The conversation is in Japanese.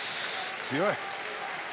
強い。